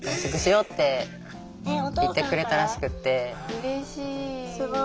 うれしい。